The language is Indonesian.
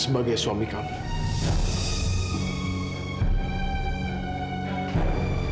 bapak tanda tangan